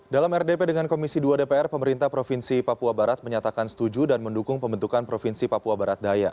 dalam rdp dengan komisi dua dpr pemerintah provinsi papua barat menyatakan setuju dan mendukung pembentukan provinsi papua barat daya